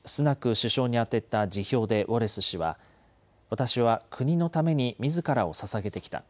首相に宛てた辞表でウォレス氏は私は国のためにみずからをささげてきた。